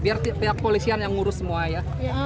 biar pihak polisian yang ngurus semua ya